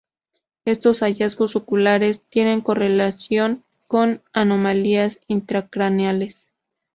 Estos hallazgos oculares tienen correlación con anomalías intracraneales.